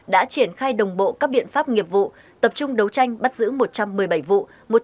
đã triển khai đồng bộ các biện pháp nghiệp vụ tập trung đấu tranh bắt giữ một trăm một mươi bảy vụ